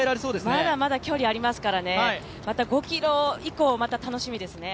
まだまだ距離ありますから５ｋｍ以降、また楽しみですね。